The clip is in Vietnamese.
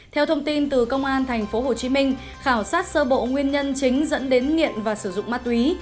theo thông tin từ công an tp hcm khảo sát sơ bộ nguyên nhân chính dẫn đến nghiện và sử dụng ma túy